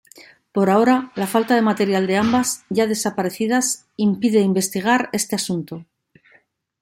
Por ahora, la falta de material de ambas, ya desaparecidas, impide investigar este asunto.